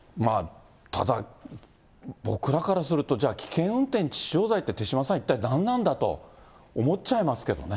ただ僕らからすると、じゃあ、危険運転致死傷罪って、手嶋さん、一体何なんだと、思っちゃいますけどね。